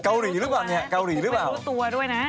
เกาหลีหรือเปล่านี่คุกไปรู้ตัวด้วยนะ